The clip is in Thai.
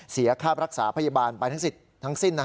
เสียคาปรักษาพยาบาลไปทั้งสิทธิ์ทั้งสิ้น